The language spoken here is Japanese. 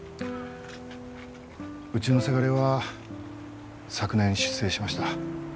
うちのせがれは昨年出征しました。